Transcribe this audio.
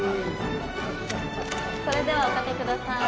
それではお賭けください。